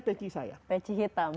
peci saya peci hitam